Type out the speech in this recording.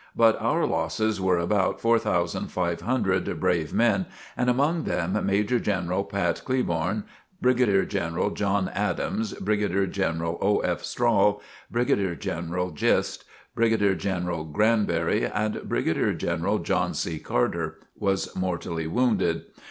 But our losses were about 4,500 brave men, and among them Major General Pat Cleburne, Brigadier General John Adams, Brigadier General O. F. Strahl, Brigadier General Gist, Brigadier General Granberry and Brigadier General John C. Carter was mortally wounded.